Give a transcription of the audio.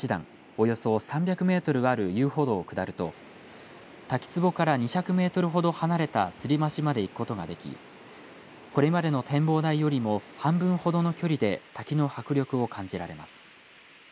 およそ３００メートルある遊歩道を下ると滝つぼから２００メートルほど離れたつり橋まで行くことができこれまでの展望台よりも半分ほどの距離で滝の迫力を感じられます。